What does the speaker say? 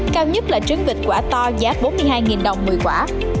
cao nhất là trứng vịt quả to giá bốn mươi hai đồng một mươi quả